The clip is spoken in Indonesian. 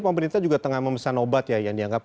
pemerintah juga tengah memesan obat ya yang dianggap